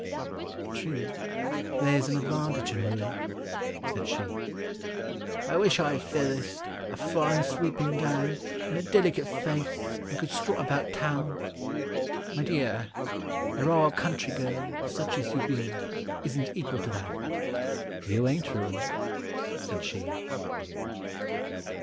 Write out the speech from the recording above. — "True. There's an advantage in ruin," said she. —"I wish I had feathers, a fine sweeping gown, And a delicate face, and could strut about Town!"— "My dear—a raw country girl, such as you be, Isn't equal to that. You ain't ruined," said she.